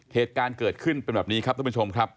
เหตุการณ์เกิดขึ้นเป็นแบบนี้ครับท่านผู้ชมครับ